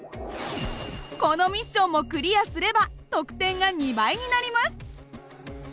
このミッションもクリアすれば得点が２倍になります。